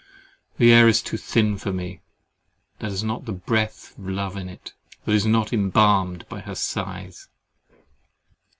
The air is too thin for me, that has not the breath of Love in it; that is not embalmed by her sighs!